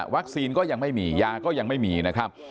ก็ยังไม่มียาก็ยังไม่มีนะครับ